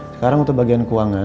sekarang untuk bagian keuangan